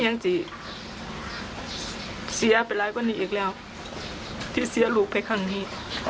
นีอีกแล้วที่เสียลูกไปครั้งนี้